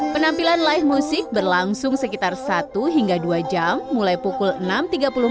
penampilan live music berlangsung sekitar satu hingga dua jam mulai pukul enam tiga puluh